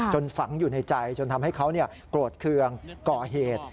ฝังอยู่ในใจจนทำให้เขาโกรธเคืองก่อเหตุ